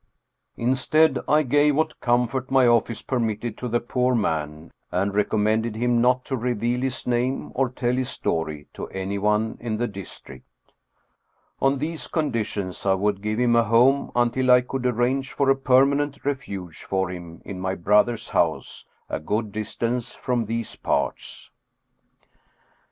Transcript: Instead, I gave what comfort my office permitted to the poor man, and recommended him not to reveal his name or tell his story to anyone in the district. On these con ditions I would give him a home until I could arrange for a permanent refuge for him in my brother's house, a good distance from these parts.